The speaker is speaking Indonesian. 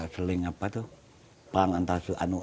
seling apa tuh perang antar suanu